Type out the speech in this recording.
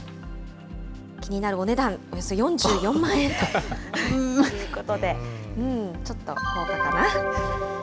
気になるお値段、およそ４４万円ということで、ちょっと高価かな。